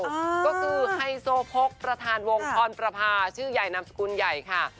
ก็คือไฮโซโพกประธานวงพรประพาชื่อใหญ่นามสกุลใหญ่ค่ะ